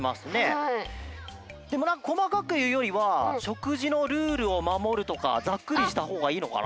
でもこまかくいうよりは「しょくじのルールをまもる」とかざっくりしたほうがいいのかな？